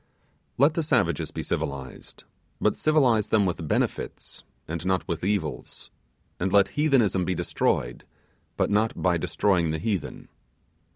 Let the savages be civilized, but civilize them with benefits, and not with evils; and let heathenism be destroyed, but not by destroying the heathen.